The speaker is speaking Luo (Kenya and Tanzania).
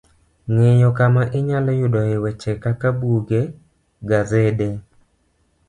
ng'eyo kama inyalo yudoe weche kaka buge, gasede